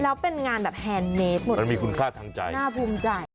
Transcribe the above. แล้วเป็นงานแฮนเมตรหมดเลยน่าภูมิใจ